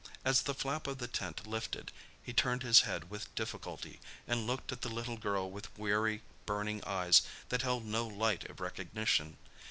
As the flap of the tent lifted he turned his head with difficulty, and looked at the little girl with weary, burning eyes that held no light of recognition.